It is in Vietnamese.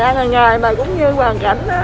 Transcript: đang hàng ngày mà cũng như hoàn cảnh đó